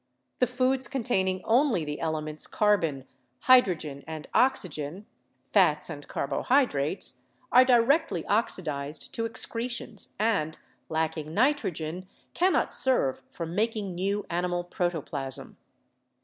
The foods containing only the elements carbon, hydrogen and oxygen (fats and carbohydrates) are directly oxidized to excretions and, lacking nitrogen, cannot serve for making new animal protoplasm.